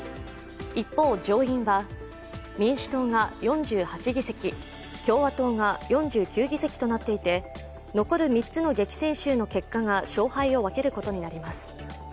一方、上院は民主党が４８議席、共和党が４９議席となっていて残る３つの激戦州の結果が勝敗を分けることになります。